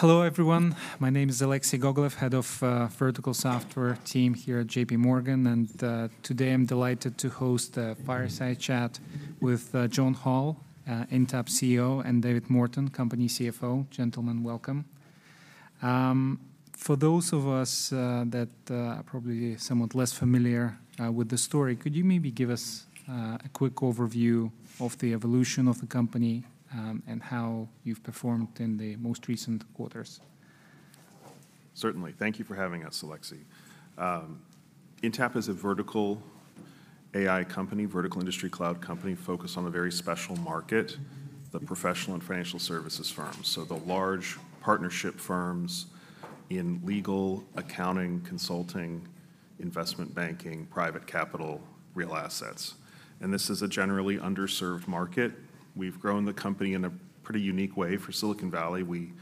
Hello, everyone. My name is Alexei Gogolev, head of Vertical Software team here at JPMorgan, and today I'm delighted to host a fireside chat with John Hall, Intapp CEO, and David Morton, company CFO. Gentlemen, welcome. For those of us that are probably somewhat less familiar with the story, could you maybe give us a quick overview of the evolution of the company, and how you've performed in the most recent quarters? Certainly. Thank you for having us, Alexei. Intapp is a vertical AI company, vertical industry cloud company, focused on a very special market, the professional and financial services firms. So the large partnership firms in legal, accounting, consulting, investment banking, private capital, Real Assets, and this is a generally underserved market. We've grown the company in a pretty unique way for Silicon Valley. We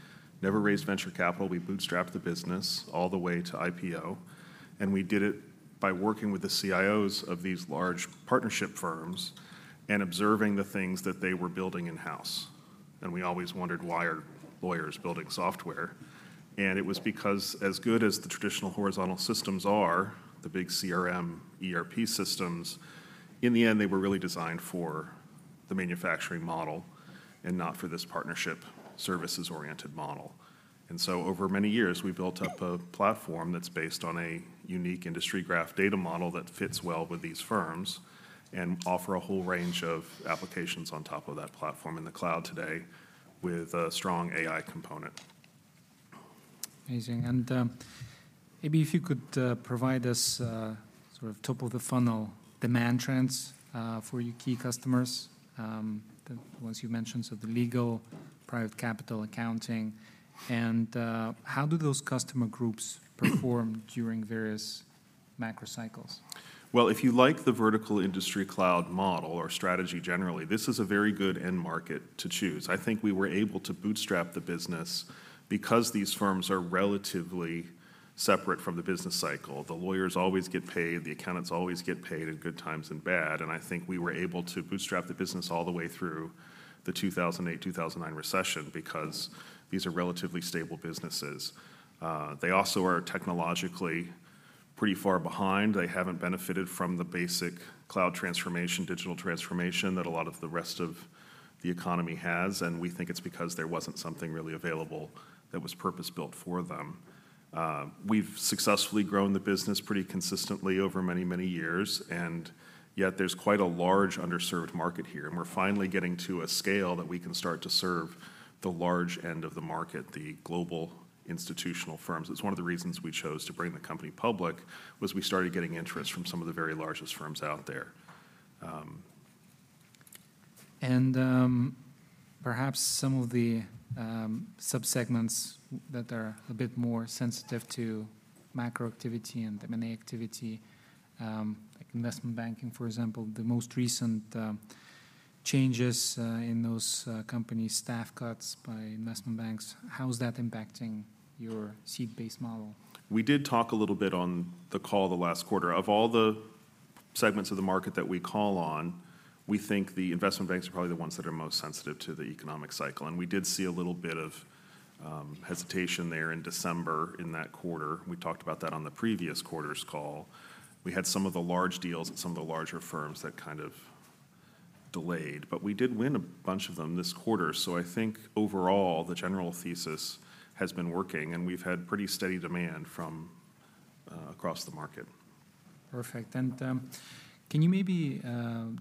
never raised venture capital. We bootstrapped the business all the way to IPO, and we did it by working with the CIOs of these large partnership firms and observing the things that they were building in-house. And we always wondered, why are lawyers building software? And it was because as good as the traditional horizontal systems are, the big CRM, ERP systems, in the end, they were really designed for the manufacturing model and not for this partnership, services-oriented model. And so over many years, we've built up a platform that's based on a unique Industry Graph data model that fits well with these firms and offer a whole range of applications on top of that platform in the cloud today, with a strong AI component. Amazing. And, maybe if you could provide us sort of top-of-the-funnel demand trends for your key customers, the ones you mentioned, so the legal, private capital, accounting, and how do those customer groups perform during various macro cycles? Well, if you like the vertical industry cloud model or strategy generally, this is a very good end market to choose. I think we were able to bootstrap the business because these firms are relatively separate from the business cycle. The lawyers always get paid, the accountants always get paid in good times and bad, and I think we were able to bootstrap the business all the way through the 2008-2009 recession because these are relatively stable businesses. They also are technologically pretty far behind. They haven't benefited from the basic cloud transformation, digital transformation that a lot of the rest of the economy has, and we think it's because there wasn't something really available that was purpose-built for them. We've successfully grown the business pretty consistently over many, many years, and yet there's quite a large underserved market here, and we're finally getting to a scale that we can start to serve the large end of the market, the global institutional firms. It's one of the reasons we chose to bring the company public, was we started getting interest from some of the very largest firms out there. Perhaps some of the sub-segments that are a bit more sensitive to macro activity and M&A activity, like investment banking, for example, the most recent changes in those companies, staff cuts by investment banks, how is that impacting your SaaS-based model? We did talk a little bit on the call the last quarter. Of all the segments of the market that we call on, we think the investment banks are probably the ones that are most sensitive to the economic cycle, and we did see a little bit of hesitation there in December, in that quarter. We talked about that on the previous quarter's call. We had some of the large deals at some of the larger firms that kind of delayed, but we did win a bunch of them this quarter. So I think overall, the general thesis has been working, and we've had pretty steady demand from across the market. Perfect. And, can you maybe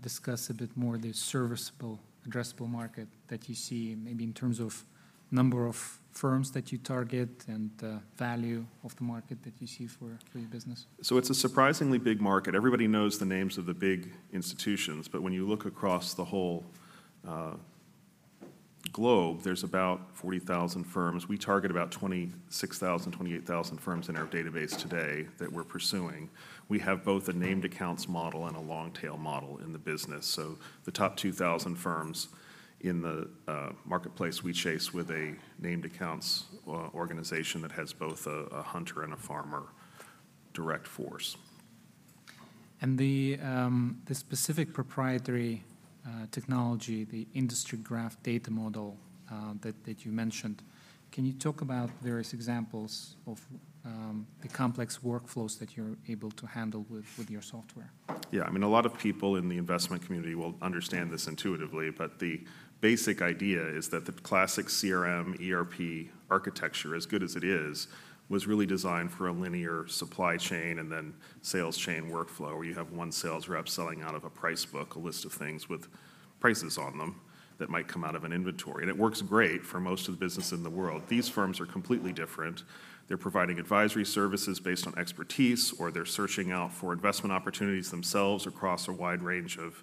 discuss a bit more the serviceable addressable market that you see, maybe in terms of number of firms that you target and, value of the market that you see for your business? So it's a surprisingly big market. Everybody knows the names of the big institutions, but when you look across the whole globe, there's about 40,000 firms. We target about 26,000, 28,000 firms in our database today that we're pursuing. We have both a named accounts model and a long-tail model in the business. So the top 2,000 firms in the marketplace, we chase with a named accounts organization that has both a hunter and a farmer direct force. And the specific proprietary technology, the Industry Graph data model, that you mentioned, can you talk about various examples of the complex workflows that you're able to handle with your software? Yeah. I mean, a lot of people in the investment community will understand this intuitively, but the basic idea is that the classic CRM, ERP architecture, as good as it is, was really designed for a linear supply chain and then sales chain workflow, where you have one sales rep selling out of a price book, a list of things with prices on them that might come out of an inventory, and it works great for most of the business in the world. These firms are completely different. They're providing advisory services based on expertise, or they're searching out for investment opportunities themselves across a wide range of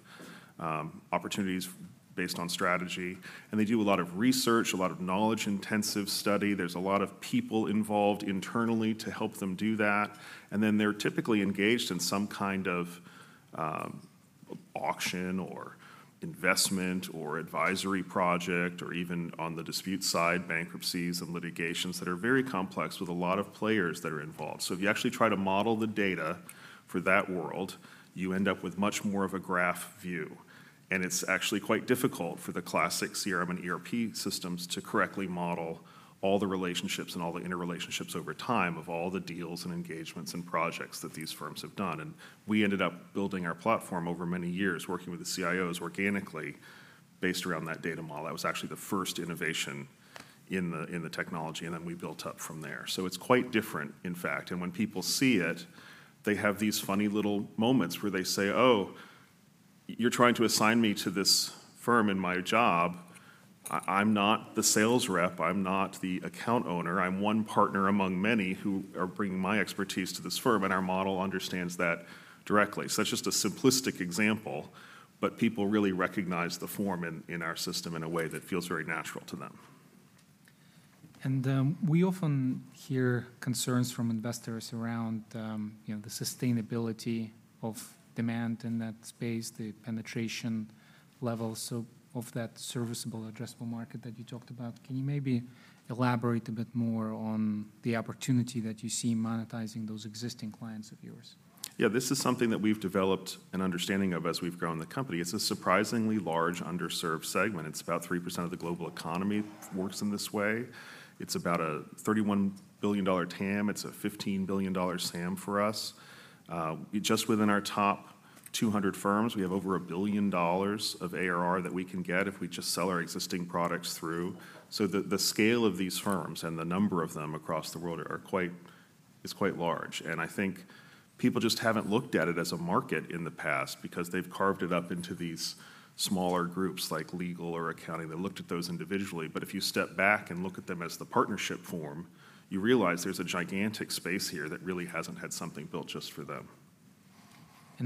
opportunities based on strategy. And they do a lot of research, a lot of knowledge-intensive study. There's a lot of people involved internally to help them do that, and then they're typically engaged in some kind of... auction or investment or advisory project, or even on the dispute side, bankruptcies and litigations that are very complex with a lot of players that are involved. So if you actually try to model the data for that world, you end up with much more of a graph view. It's actually quite difficult for the classic CRM and ERP systems to correctly model all the relationships and all the interrelationships over time of all the deals and engagements and projects that these firms have done. We ended up building our platform over many years, working with the CIOs organically, based around that data model. That was actually the first innovation in the technology, and then we built up from there. So it's quite different, in fact, and when people see it, they have these funny little moments where they say, "Oh, you're trying to assign me to this firm in my job. I'm not the sales rep, I'm not the account owner. I'm one partner among many who are bringing my expertise to this firm," and our model understands that directly. So that's just a simplistic example, but people really recognize the form in our system in a way that feels very natural to them. We often hear concerns from investors around, you know, the sustainability of demand in that space, the penetration levels, so of that serviceable addressable market that you talked about. Can you maybe elaborate a bit more on the opportunity that you see monetizing those existing clients of yours? Yeah, this is something that we've developed an understanding of as we've grown the company. It's a surprisingly large, underserved segment. It's about 3% of the global economy works in this way. It's about a $31 billion TAM. It's a $15 billion SAM for us. Just within our top 200 firms, we have over $1 billion of ARR that we can get if we just sell our existing products through. So the scale of these firms and the number of them across the world are quite... is quite large, and I think people just haven't looked at it as a market in the past because they've carved it up into these smaller groups, like legal or accounting. They looked at those individually, but if you step back and look at them as the partnership form, you realize there's a gigantic space here that really hasn't had something built just for them.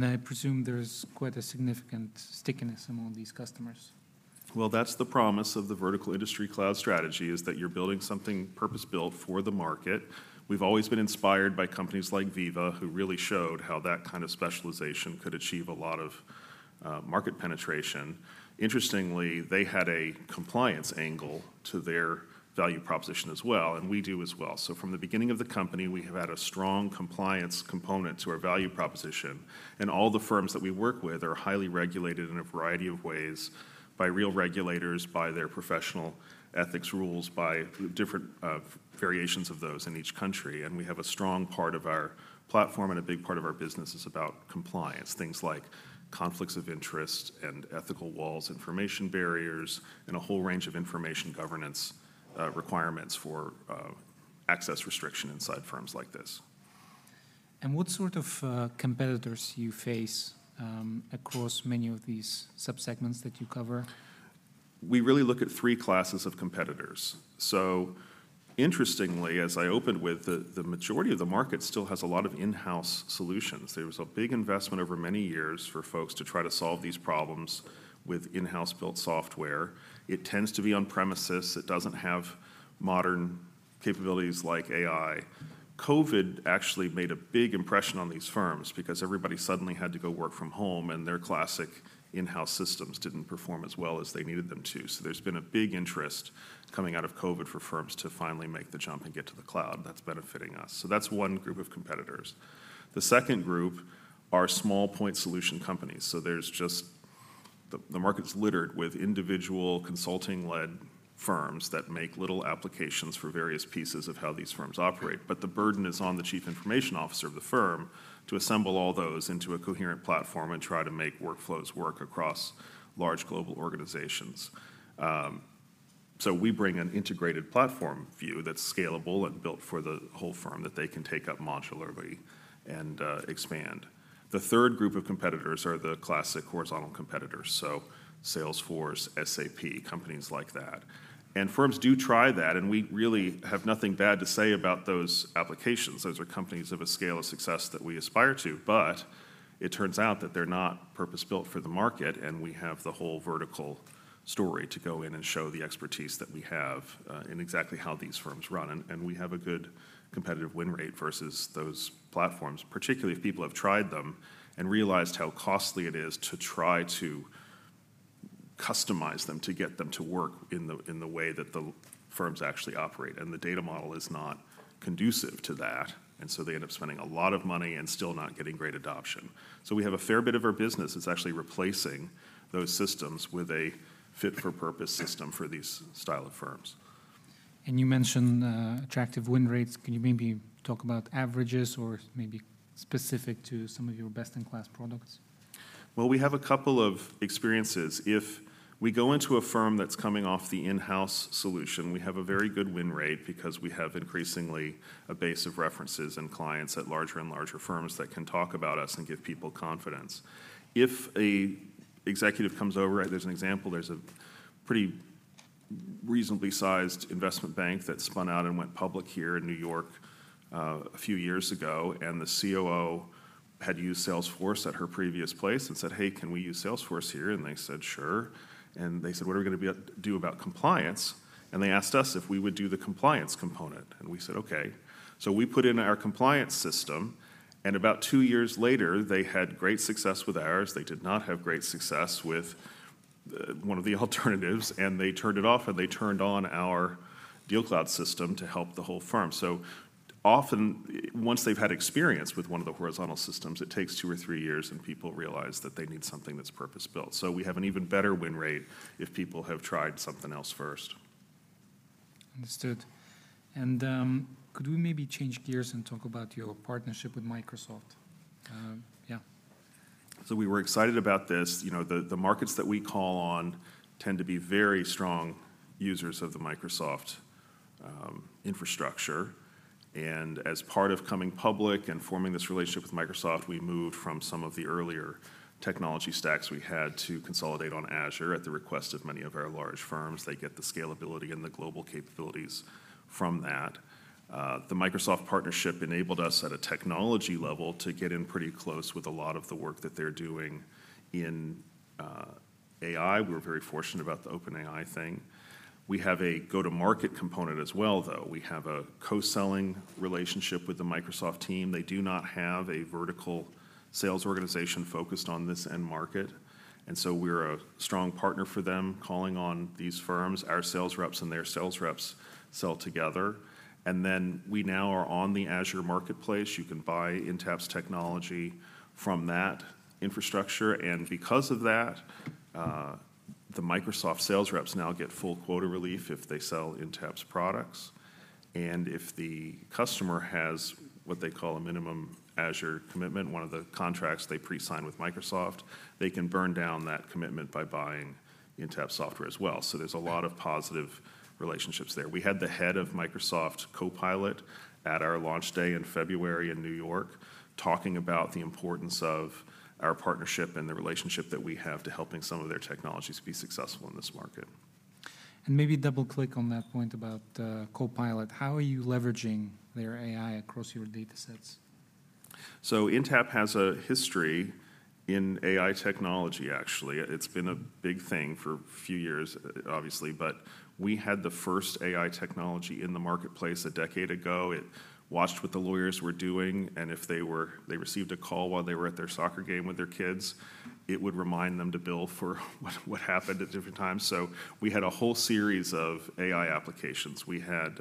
I presume there's quite a significant stickiness among these customers. Well, that's the promise of the vertical industry cloud strategy, is that you're building something purpose-built for the market. We've always been inspired by companies like Veeva, who really showed how that kind of specialization could achieve a lot of market penetration. Interestingly, they had a compliance angle to their value proposition as well, and we do as well. So from the beginning of the company, we have had a strong compliance component to our value proposition, and all the firms that we work with are highly regulated in a variety of ways, by real regulators, by their professional ethics rules, by different variations of those in each country. And we have a strong part of our platform, and a big part of our business is about compliance. Things like conflicts of interest and ethical walls, information barriers, and a whole range of information governance requirements for access restriction inside firms like this. What sort of competitors do you face across many of these sub-segments that you cover? We really look at three classes of competitors. So interestingly, as I opened with, the majority of the market still has a lot of in-house solutions. There was a big investment over many years for folks to try to solve these problems with in-house built software. It tends to be on-premises. It doesn't have modern capabilities like AI. COVID actually made a big impression on these firms because everybody suddenly had to go work from home, and their classic in-house systems didn't perform as well as they needed them to. So there's been a big interest coming out of COVID for firms to finally make the jump and get to the cloud. That's benefiting us. So that's one group of competitors. The second group are small point solution companies, so there's just... The market's littered with individual consulting-led firms that make little applications for various pieces of how these firms operate. But the burden is on the chief information officer of the firm to assemble all those into a coherent platform and try to make workflows work across large global organizations. So we bring an integrated platform view that's scalable and built for the whole firm, that they can take up modularly and expand. The third group of competitors are the classic horizontal competitors, so Salesforce, SAP, companies like that. Firms do try that, and we really have nothing bad to say about those applications. Those are companies of a scale of success that we aspire to, but it turns out that they're not purpose-built for the market, and we have the whole vertical story to go in and show the expertise that we have in exactly how these firms run. And we have a good competitive win rate versus those platforms, particularly if people have tried them and realized how costly it is to try to customize them, to get them to work in the way that the firms actually operate. And the data model is not conducive to that, and so they end up spending a lot of money and still not getting great adoption. So we have a fair bit of our business is actually replacing those systems with a fit-for-purpose system for these style of firms. You mentioned attractive win rates. Can you maybe talk about averages or maybe specific to some of your best-in-class products? Well, we have a couple of experiences. If we go into a firm that's coming off the in-house solution, we have a very good win rate because we have increasingly a base of references and clients at larger and larger firms that can talk about us and give people confidence. If an executive comes over... There's an example, there's a pretty reasonably sized investment bank that spun out and went public here in New York, a few years ago, and the COO had used Salesforce at her previous place and said, "Hey, can we use Salesforce here?" And they said, "Sure." And they said, "What are we gonna do about compliance?" And they asked us if we would do the compliance component, and we said, "Okay." So we put in our compliance system, and about 2 years later, they had great success with ours. They did not have great success with one of the alternatives, and they turned it off, and they turned on our DealCloud system to help the whole firm. So often, once they've had experience with one of the horizontal systems, it takes two or three years, and people realize that they need something that's purpose-built. So we have an even better win rate if people have tried something else first. Understood. Could we maybe change gears and talk about your partnership with Microsoft? Yeah. So we were excited about this. You know, the markets that we call on tend to be very strong users of the Microsoft infrastructure, and as part of coming public and forming this relationship with Microsoft, we moved from some of the earlier technology stacks we had to consolidate on Azure at the request of many of our large firms. They get the scalability and the global capabilities from that. The Microsoft partnership enabled us, at a technology level, to get in pretty close with a lot of the work that they're doing in AI. We're very fortunate about the OpenAI thing. We have a go-to-market component as well, though. We have a co-selling relationship with the Microsoft team. They do not have a vertical sales organization focused on this end market, and so we're a strong partner for them, calling on these firms. Our sales reps and their sales reps sell together, and then we now are on the Azure marketplace. You can buy Intapp's technology from that infrastructure, and because of that, the Microsoft sales reps now get full quota relief if they sell Intapp's products. And if the customer has what they call a minimum Azure commitment, one of the contracts they pre-sign with Microsoft, they can burn down that commitment by buying Intapp software as well. So there's a lot of positive relationships there. We had the head of Microsoft Copilot at our launch day in February in New York, talking about the importance of our partnership and the relationship that we have to helping some of their technologies be successful in this market. Maybe double-click on that point about Copilot. How are you leveraging their AI across your data sets? So Intapp has a history in AI technology, actually. It's been a big thing for a few years, obviously, but we had the first AI technology in the marketplace a decade ago. It watched what the lawyers were doing, and if they received a call while they were at their soccer game with their kids, it would remind them to bill for what, what happened at different times. So we had a whole series of AI applications. We had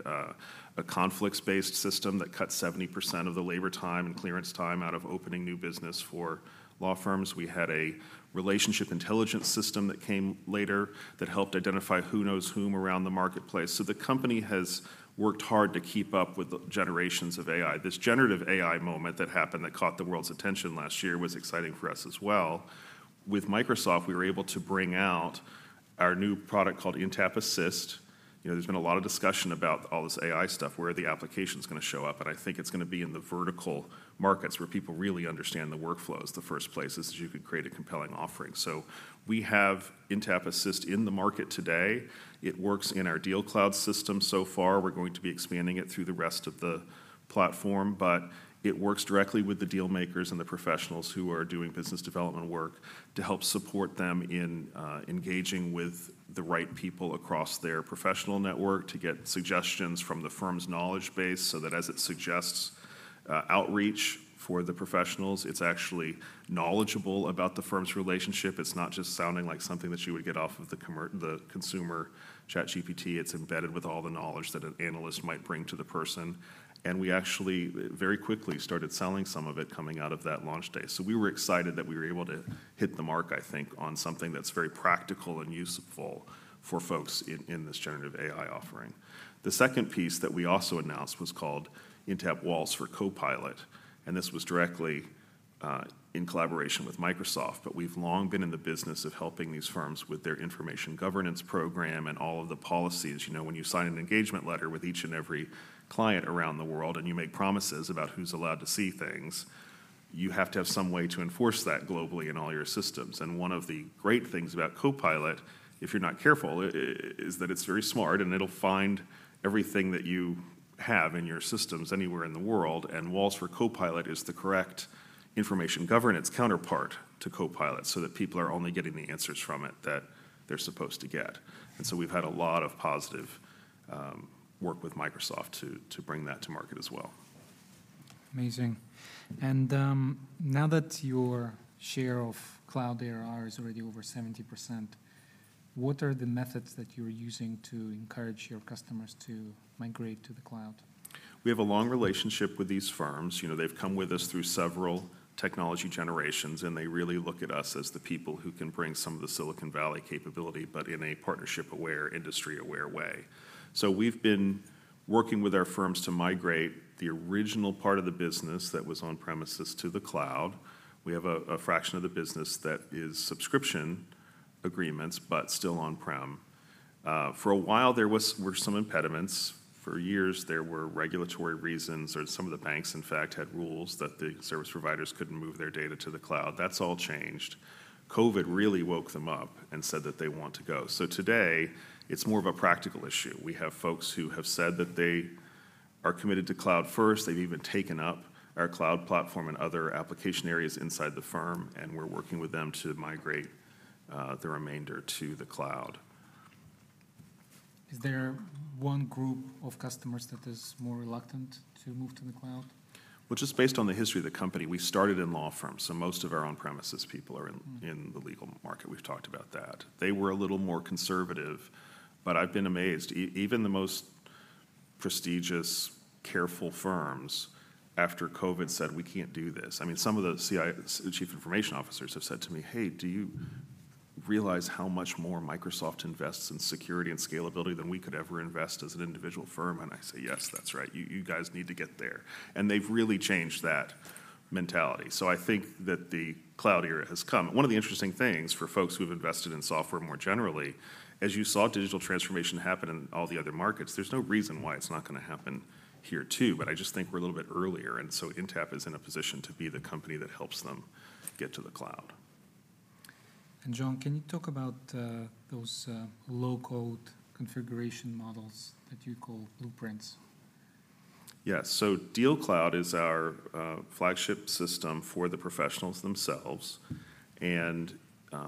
a conflicts-based system that cut 70% of the labor time and clearance time out of opening new business for law firms. We had a relationship intelligence system that came later that helped identify who knows whom around the marketplace. So the company has worked hard to keep up with the generations of AI. This generative AI moment that happened, that caught the world's attention last year, was exciting for us as well. With Microsoft, we were able to bring out our new product called Intapp Assist. You know, there's been a lot of discussion about all this AI stuff, where are the applications gonna show up? I think it's gonna be in the vertical markets where people really understand the workflows, the first places you could create a compelling offering. So we have Intapp Assist in the market today. It works in our DealCloud system so far. We're going to be expanding it through the rest of the platform, but it works directly with the deal makers and the professionals who are doing business development work to help support them in engaging with the right people across their professional network, to get suggestions from the firm's knowledge base so that as it suggests outreach for the professionals, it's actually knowledgeable about the firm's relationship. It's not just sounding like something that you would get off of the consumer ChatGPT. It's embedded with all the knowledge that an analyst might bring to the person, and we actually very quickly started selling some of it coming out of that launch day. So we were excited that we were able to hit the mark, I think, on something that's very practical and useful for folks in this generative AI offering. The second piece that we also announced was called Intapp Walls for Copilot, and this was directly in collaboration with Microsoft. But we've long been in the business of helping these firms with their information governance program and all of the policies. You know, when you sign an engagement letter with each and every client around the world, and you make promises about who's allowed to see things, you have to have some way to enforce that globally in all your systems. And one of the great things about Copilot, if you're not careful, is that it's very smart, and it'll find everything that you have in your systems anywhere in the world, and Walls for Copilot is the correct information governance counterpart to Copilot, so that people are only getting the answers from it that they're supposed to get. We've had a lot of positive work with Microsoft to bring that to market as well. Amazing. And, now that your share of cloud ARR is already over 70%, what are the methods that you're using to encourage your customers to migrate to the cloud? We have a long relationship with these firms. You know, they've come with us through several technology generations, and they really look at us as the people who can bring some of the Silicon Valley capability, but in a partnership-aware, industry-aware way. So we've been working with our firms to migrate the original part of the business that was on-premises to the cloud. We have a fraction of the business that is subscription agreements but still on-prem. For a while, there were some impediments. For years, there were regulatory reasons, or some of the banks, in fact, had rules that the service providers couldn't move their data to the cloud. That's all changed. COVID really woke them up and said that they want to go. So today, it's more of a practical issue. We have folks who have said that they are committed to cloud first. They've even taken up our cloud platform and other application areas inside the firm, and we're working with them to migrate the remainder to the cloud.... Is there one group of customers that is more reluctant to move to the cloud? Well, just based on the history of the company, we started in law firms, so most of our on-premises people are in- Mm-hmm in the legal market. We've talked about that. They were a little more conservative, but I've been amazed. Even the most prestigious, careful firms, after COVID, said, "We can't do this." I mean, some of the chief information officers have said to me, "Hey, do you realize how much more Microsoft invests in security and scalability than we could ever invest as an individual firm?" And I say, "Yes, that's right. You, you guys need to get there." And they've really changed that mentality, so I think that the cloud era has come. One of the interesting things for folks who have invested in software more generally, as you saw digital transformation happen in all the other markets, there's no reason why it's not gonna happen here, too. I just think we're a little bit earlier, and so Intapp is in a position to be the company that helps them get to the cloud. John, can you talk about those low-code configuration models that you call blueprints? Yeah. So DealCloud is our flagship system for the professionals themselves, and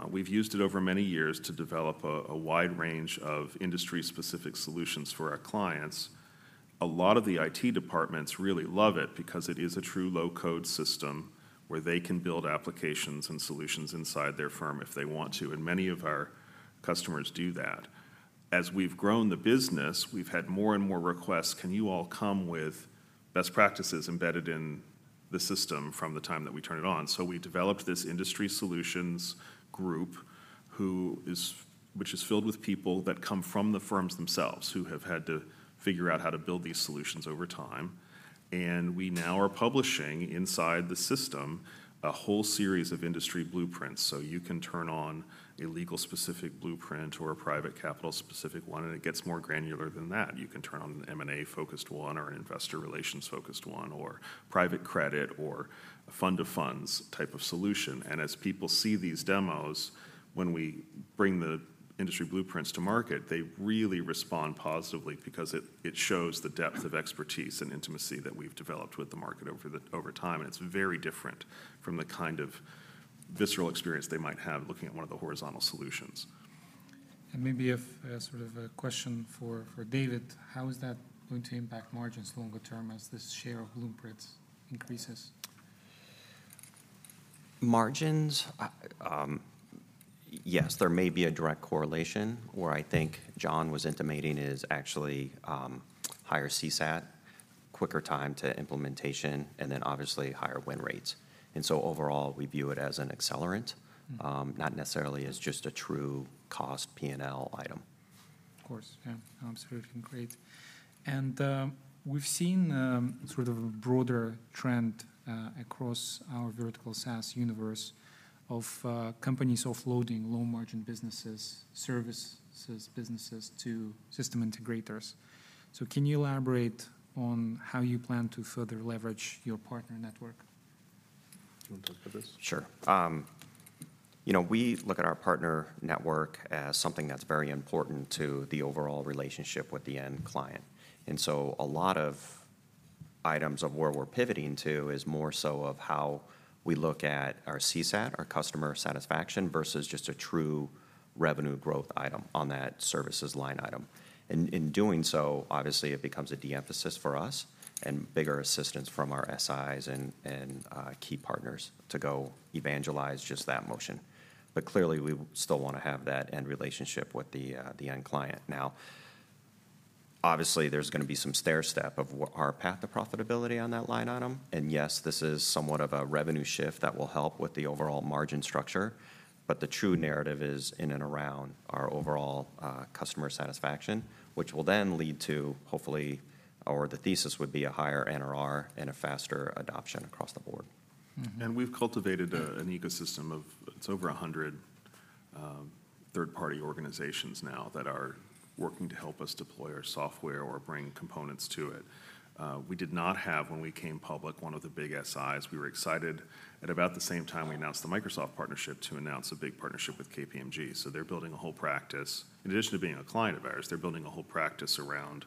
we've used it over many years to develop a wide range of industry-specific solutions for our clients. A lot of the IT departments really love it because it is a true low-code system, where they can build applications and solutions inside their firm if they want to, and many of our customers do that. As we've grown the business, we've had more and more requests: "Can you all come with best practices embedded in the system from the time that we turn it on?" So we developed this Industry Solutions Group, which is filled with people that come from the firms themselves, who have had to figure out how to build these solutions over time. And we now are publishing inside the system a whole series of Industry Blueprints. So you can turn on a legal-specific blueprint or a private capital-specific one, and it gets more granular than that. You can turn on an M&A-focused one or an investor relations-focused one, or private credit, or a fund of funds type of solution. And as people see these demos, when we bring the industry blueprints to market, they really respond positively because it shows the depth of expertise and intimacy that we've developed with the market over time, and it's very different from the kind of visceral experience they might have looking at one of the horizontal solutions. Maybe a sort of question for David: How is that going to impact margins longer term as this share of blueprints increases? Margins? Yes, there may be a direct correlation, or I think John was intimating is actually higher CSAT, quicker time to implementation, and then obviously, higher win rates. And so overall, we view it as an accelerant- Mm-hmm... not necessarily as just a true cost P&L item. Of course, yeah. Absolutely, great. And we've seen sort of a broader trend across our vertical SaaS universe of companies offloading low-margin businesses, services businesses, to system integrators. So can you elaborate on how you plan to further leverage your partner network? Do you want to talk about this? Sure. You know, we look at our partner network as something that's very important to the overall relationship with the end client. And so a lot of items of where we're pivoting to is more so of how we look at our CSAT, our customer satisfaction, versus just a true revenue growth item on that services line item. And in doing so, obviously, it becomes a de-emphasis for us and bigger assistance from our SIs and, and key partners to go evangelize just that motion. But clearly, we still wanna have that end relationship with the, the end client. Now, obviously, there's gonna be some stairstep of our path to profitability on that line item, and yes, this is somewhat of a revenue shift that will help with the overall margin structure. But the true narrative is in and around our overall customer satisfaction, which will then lead to, hopefully, or the thesis would be a higher NRR and a faster adoption across the board. Mm-hmm. And we've cultivated an ecosystem of... It's over 100 third-party organizations now that are working to help us deploy our software or bring components to it. We did not have, when we came public, one of the big SIs. We were excited, at about the same time we announced the Microsoft partnership, to announce a big partnership with KPMG. So they're building a whole practice. In addition to being a client of ours, they're building a whole practice around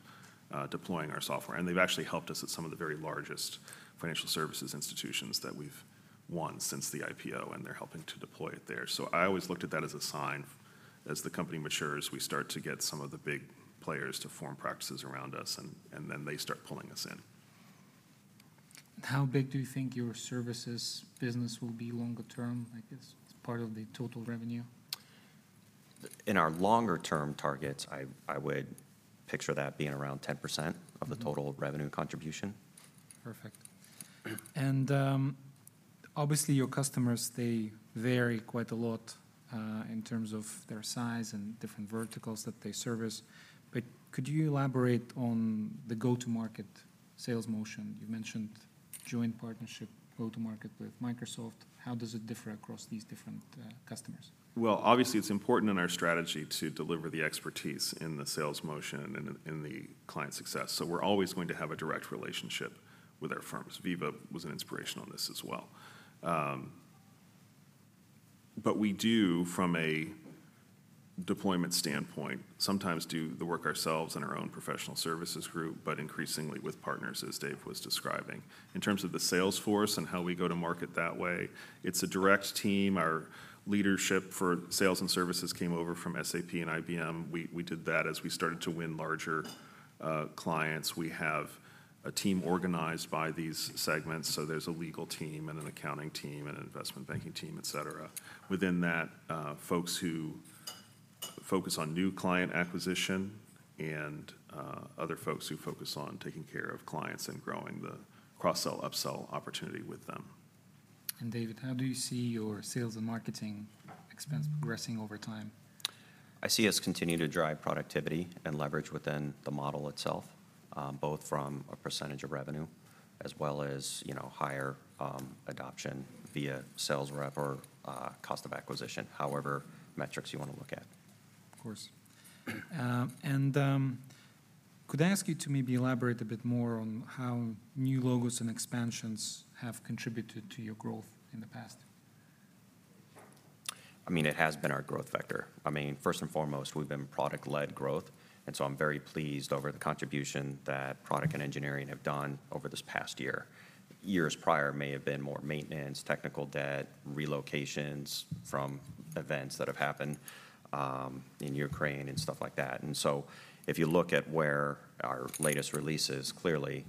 deploying our software, and they've actually helped us at some of the very largest financial services institutions that we've won since the IPO, and they're helping to deploy it there. So I always looked at that as a sign. As the company matures, we start to get some of the big players to form practices around us, and then they start pulling us in. How big do you think your services business will be longer term, I guess, as part of the total revenue? In our longer-term targets, I would picture that being around 10% of the total revenue contribution. Perfect. Obviously, your customers, they vary quite a lot, in terms of their size and different verticals that they service, but could you elaborate on the go-to-market sales motion? You mentioned joint partnership, go-to-market with Microsoft. How does it differ across these different customers? Well, obviously, it's important in our strategy to deliver the expertise in the sales motion and in, in the client success, so we're always going to have a direct relationship with our firms. Veeva was an inspiration on this as well. But we do, from a deployment standpoint, sometimes do the work ourselves in our own professional services group, but increasingly with partners, as Dave was describing. In terms of the sales force and how we go to market that way, it's a direct team. Our leadership for sales and services came over from SAP and IBM. We, we did that as we started to win larger, clients. We have a team organized by these segments, so there's a legal team and an accounting team and an investment banking team, et cetera. Within that, folks who focus on new client acquisition and other folks who focus on taking care of clients and growing the cross-sell, upsell opportunity with them. David, how do you see your sales and marketing expense progressing over time? I see us continue to drive productivity and leverage within the model itself, both from a percentage of revenue as well as, you know, higher adoption via sales rep or cost of acquisition, however metrics you wanna look at. Of course. Could I ask you to maybe elaborate a bit more on how new logos and expansions have contributed to your growth in the past? I mean, it has been our growth vector. I mean, first and foremost, we've been product-led growth, and so I'm very pleased over the contribution that product and engineering have done over this past year. Years prior may have been more maintenance, technical debt, relocations from events that have happened, in Ukraine and stuff like that. And so if you look at where our latest release is, clearly,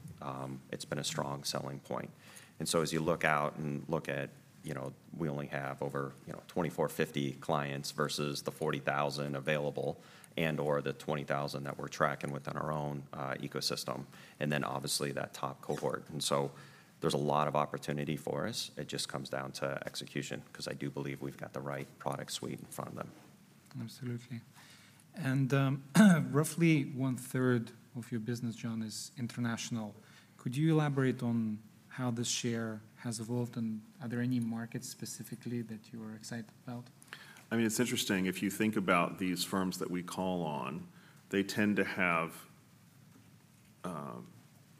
it's been a strong selling point. And so as you look out and look at, you know, we only have over, you know, 2,450 clients versus the 40,000 available and/or the 20,000 that we're tracking within our own ecosystem, and then obviously, that top cohort. And so there's a lot of opportunity for us. It just comes down to execution, 'cause I do believe we've got the right product suite in front of them. Absolutely. And, roughly one-third of your business, John, is international. Could you elaborate on how this share has evolved, and are there any markets specifically that you are excited about? I mean, it's interesting. If you think about these firms that we call on, they tend to have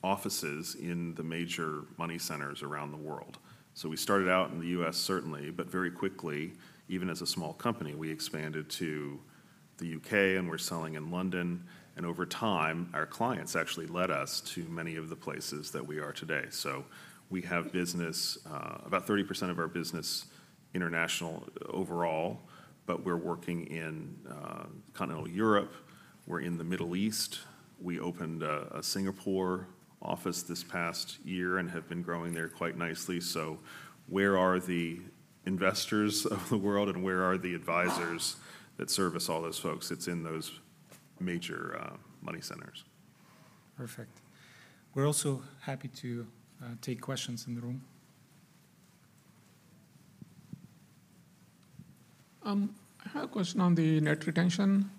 offices in the major money centers around the world. So we started out in the U.S., certainly, but very quickly, even as a small company, we expanded to the U.K., and we're selling in London. And over time, our clients actually led us to many of the places that we are today. So we have business, about 30% of our business international overall, but we're working in continental Europe. We're in the Middle East. We opened a Singapore office this past year and have been growing there quite nicely. So where are the investors of the world, and where are the advisors that service all those folks? It's in those major money centers. Perfect. We're also happy to take questions in the room. I have a question on the net retention.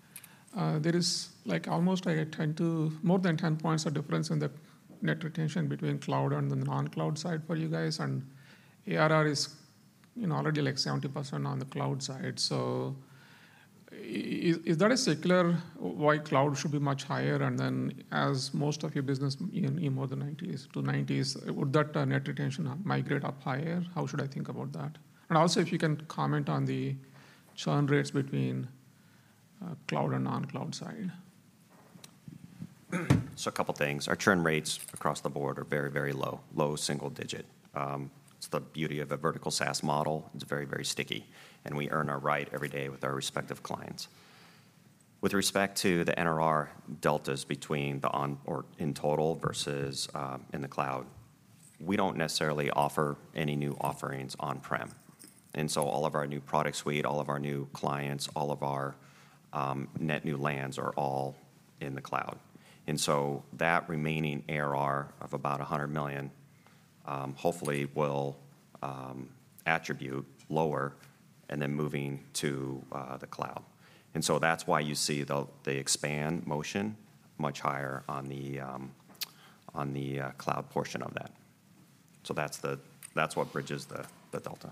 There is, like, almost like 10 to more than 10 points of difference in the net retention between cloud and the non-cloud side for you guys, and ARR is, you know, already like 70% on the cloud side. So is that a secular, why cloud should be much higher, and then as most of your business in, in more than 90s-90s, would that net retention migrate up higher? How should I think about that? And also, if you can comment on the churn rates between cloud and non-cloud side. So a couple things. Our churn rates across the board are very, very low, low single digit. It's the beauty of a vertical SaaS model. It's very, very sticky, and we earn our right every day with our respective clients. With respect to the NRR deltas between the on-prem in total versus in the cloud, we don't necessarily offer any new offerings on-prem, and so all of our new product suite, all of our new clients, all of our net new lands are all in the cloud. And so that remaining ARR of about $100 million hopefully will attrit lower and then moving to the cloud. And so that's why you see the expansion motion much higher on the cloud portion of that. So that's what bridges the delta.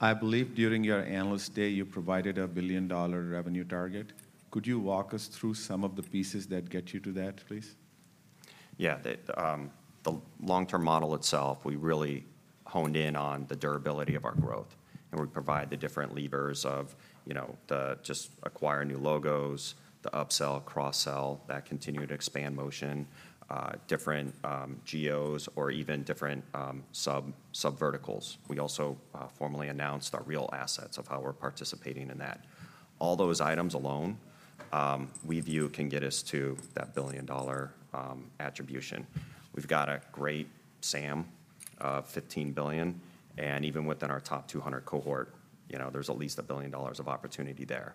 I believe during your Analyst Day, you provided a billion-dollar revenue target. Could you walk us through some of the pieces that get you to that, please? Yeah. The long-term model itself, we really honed in on the durability of our growth, and we provide the different levers of, you know, the just acquire new logos, the upsell, cross-sell, that continue to expand motion, different geos or even different sub verticals. We also formally announced our Real Assets of how we're participating in that. All those items alone, we view, can get us to that billion-dollar attribution. We've got a great SAM, $15 billion, and even within our top 200 cohort, you know, there's at least $1 billion of opportunity there.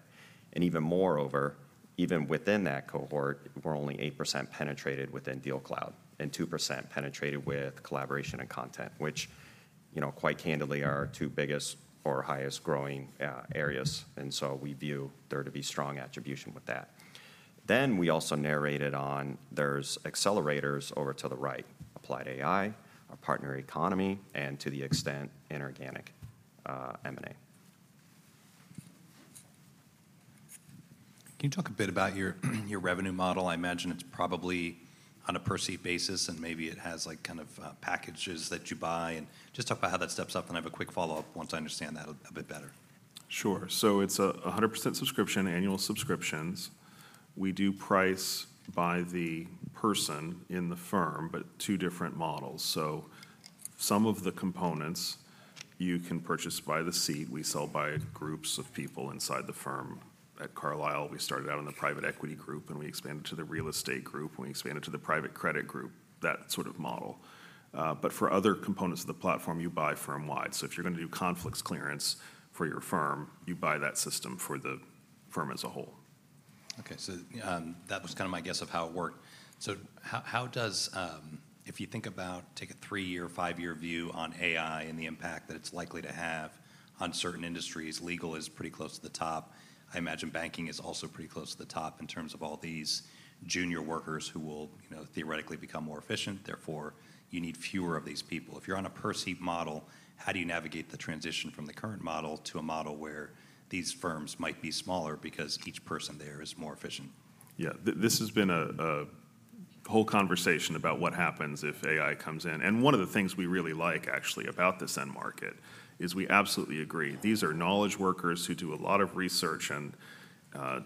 And even moreover, even within that cohort, we're only 8% penetrated within DealCloud and 2% penetrated with Collaboration and Content, which, you know, quite candidly, are our two biggest or highest growing areas, and so we view there to be strong attribution with that. Then, we also narrated on there's accelerators over to the right: Applied AI, our Partner Economy, and to the extent, inorganic M&A.... Can you talk a bit about your, your revenue model? I imagine it's probably on a per-seat basis, and maybe it has, like, kind of, packages that you buy, and just talk about how that steps up, and I have a quick follow-up once I understand that a bit better. Sure. So it's 100% subscription, annual subscriptions. We do price by the person in the firm, but two different models. So some of the components you can purchase by the seat. We sell by groups of people inside the firm. At Carlyle, we started out in the private equity group, and we expanded to the real estate group, and we expanded to the private credit group, that sort of model. But for other components of the platform, you buy firm-wide. So if you're gonna do conflicts clearance for your firm, you buy that system for the firm as a whole. Okay, so that was kinda my guess of how it worked. So how does... If you think about, take a three-year, five-year view on AI and the impact that it's likely to have on certain industries, legal is pretty close to the top. I imagine banking is also pretty close to the top in terms of all these junior workers who will, you know, theoretically become more efficient, therefore, you need fewer of these people. If you're on a per-seat model, how do you navigate the transition from the current model to a model where these firms might be smaller because each person there is more efficient? Yeah. This has been a whole conversation about what happens if AI comes in, and one of the things we really like, actually, about this end market is we absolutely agree. These are knowledge workers who do a lot of research and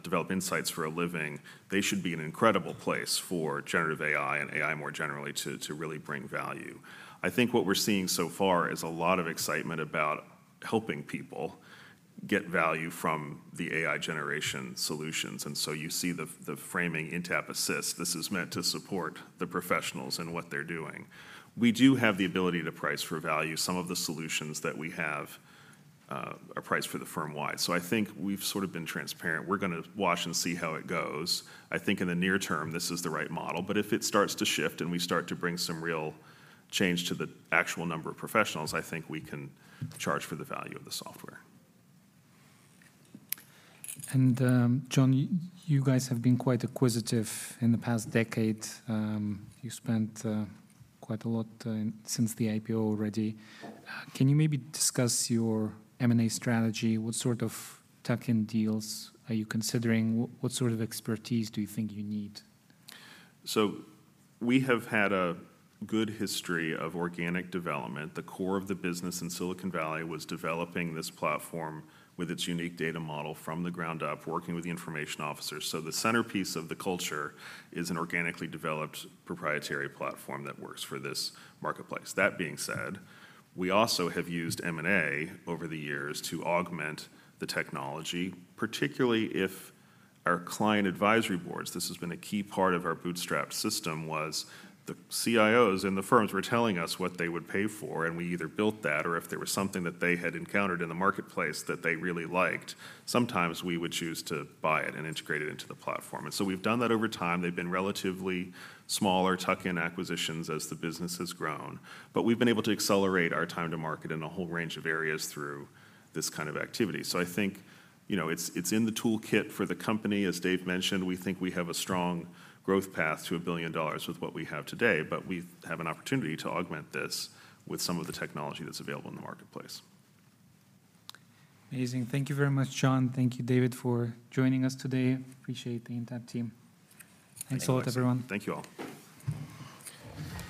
develop insights for a living. They should be an incredible place for generative AI and AI more generally to really bring value. I think what we're seeing so far is a lot of excitement about helping people get value from the AI generation solutions, and so you see the framing Intapp Assist. This is meant to support the professionals and what they're doing. We do have the ability to price for value. Some of the solutions that we have are priced for the firm-wide. So I think we've sort of been transparent. We're gonna watch and see how it goes. I think in the near term, this is the right model, but if it starts to shift, and we start to bring some real change to the actual number of professionals, I think we can charge for the value of the software. John, you guys have been quite acquisitive in the past decade. You spent quite a lot since the IPO already. Can you maybe discuss your M&A strategy? What sort of tuck-in deals are you considering? What sort of expertise do you think you need? So we have had a good history of organic development. The core of the business in Silicon Valley was developing this platform with its unique data model from the ground up, working with the information officers. So the centerpiece of the culture is an organically developed proprietary platform that works for this marketplace. That being said, we also have used M&A over the years to augment the technology, particularly if our client advisory boards. This has been a key part of our bootstrap system, was the CIOs and the firms were telling us what they would pay for, and we either built that, or if there was something that they had encountered in the marketplace that they really liked, sometimes we would choose to buy it and integrate it into the platform. And so we've done that over time. They've been relatively smaller tuck-in acquisitions as the business has grown, but we've been able to accelerate our time to market in a whole range of areas through this kind of activity. So I think, you know, it's, it's in the toolkit for the company. As Dave mentioned, we think we have a strong growth path to $1 billion with what we have today, but we have an opportunity to augment this with some of the technology that's available in the marketplace. Amazing. Thank you very much, John. Thank you, David, for joining us today. Appreciate the Intapp team. Thanks a lot, everyone. Thank you all.